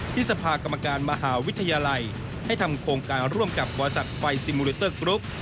สภากรรมการมหาวิทยาลัยให้ทำโครงการร่วมกับบริษัทไฟซิมูเลเตอร์กรุ๊ป